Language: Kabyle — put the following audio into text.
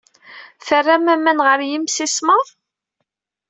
Terram aman ɣer yimsismeḍ?